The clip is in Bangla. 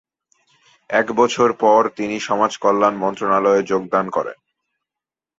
এক বছর পর তিনি সমাজকল্যাণ মন্ত্রণালয়ে যোগদান করেন।